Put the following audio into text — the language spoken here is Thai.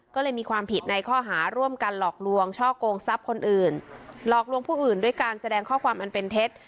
ก็เลยมีความผิดในข้อหาร่วมกันหลอกลวงช่อกงทรัพย์คนอื่นหลอกลวงผู้อื่นด้วยการแสดงข้อความอันเป็นเท็จ